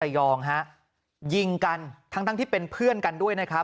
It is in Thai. ยองฮะยิงกันทั้งทั้งที่เป็นเพื่อนกันด้วยนะครับ